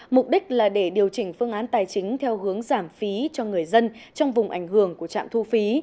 mục đích là để điều chỉnh phương án tài chính theo hướng giảm phí cho người dân trong vùng ảnh hưởng của trạm thu phí